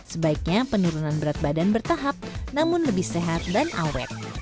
sebaiknya penurunan berat badan bertahap namun lebih sehat dan awet